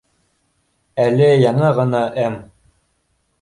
Әле яңы ғына м